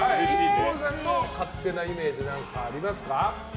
ＩＫＫＯさんの勝手なイメージ何かありますか？